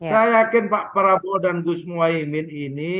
saya yakin pak prabowo dan gus muhaymin ini